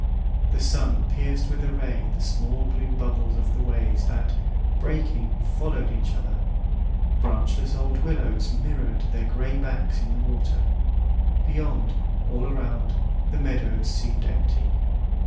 The sun pierced with a ray the small blue bubbles of the waves that, breaking, followed each other; branchless old willows mirrored their grey backs in the water; beyond, all around, the meadows seemed empty.